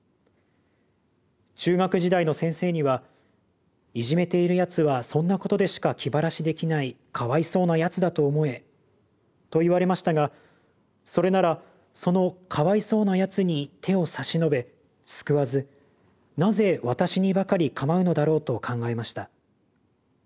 中学時代の先生には『いじめているやつはそんなことでしか気晴らしできないかわいそうなやつだと思え』と言われましたが『それならそのかわいそうなやつに手を差し伸べ救わずなぜ私にばかり構うのだろう』と考えました。